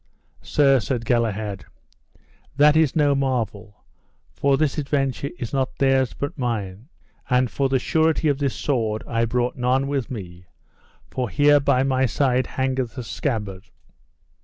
Sir, said Galahad, that is no marvel, for this adventure is not theirs but mine; and for the surety of this sword I brought none with me, for here by my side hangeth the scabbard.